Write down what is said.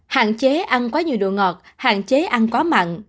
hạn chế ăn quá nhiều đồ ngọt hạn chế ăn có mặn